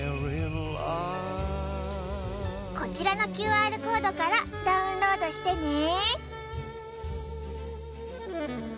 こちらのＱＲコードからダウンロードしてね！